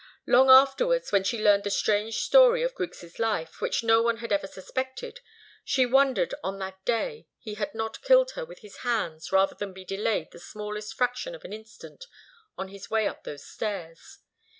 Long afterwards, when she learned the strange story of Griggs' life, which no one had ever suspected, she wondered that on that day he had not killed her with his hands rather than be delayed the smallest fraction of an instant on his way up those stairs.